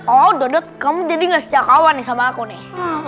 oh dodot kamu jadi gak sejak awal nih sama aku nih